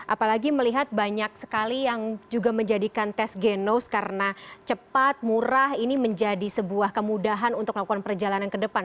apalagi melihat banyak sekali yang juga menjadikan tes genos karena cepat murah ini menjadi sebuah kemudahan untuk melakukan perjalanan ke depan